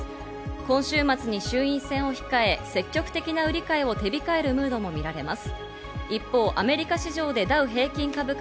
今週末に衆院選を控え、積極的な売り買いを手控えるムードも見られます。